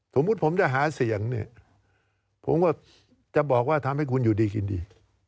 สมมุติผมจะหาเสียงเนี่ยผมก็จะบอกว่าทำให้คุณอยู่ดีกินดี